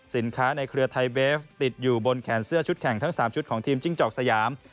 ในเครือไทยเวฟติดอยู่บนแขนเสื้อชุดแข่งทั้ง๓ชุดของทีมจิ้งจอกสยาม